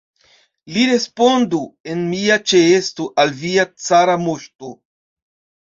Li respondu en mia ĉeesto al via cara moŝto!